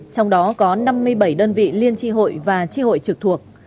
trong đó có năm mươi bảy đơn vị liên tri hội và tri hội trực thuộc